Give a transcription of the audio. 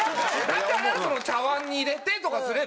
だから茶碗に入れてとかすれば。